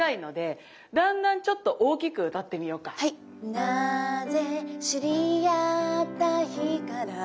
「何故知りあった日から」